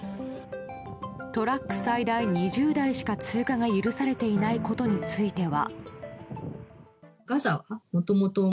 トラック最大２０台しか通過が許されていないことについては。